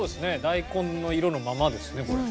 大根の色のままですねこれ。